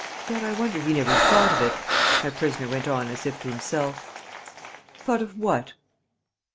"Yet I wonder he never thought of it," my prisoner went on as if to himself. "Thought of what?"